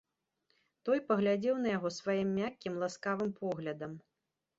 Той паглядзеў на яго сваім мяккім, ласкавым поглядам.